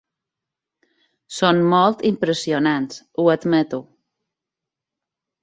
Són molt impressionants, ho admeto.